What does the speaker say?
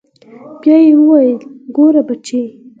بيا يې وويل ګوره بچى.